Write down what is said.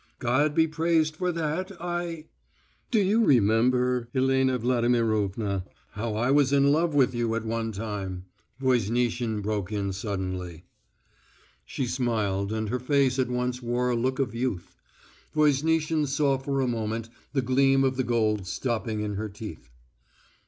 God be praised for that!..." "Do you remember, Elena Vladimirovna, how I was in love with you at one time?" Voznitsin broke in suddenly. She smiled, and her face at once wore a look of youth. Voznitsin saw for a moment the gleam of the gold stopping in her teeth.